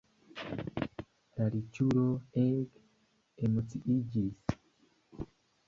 La riĉulo ege emociiĝis.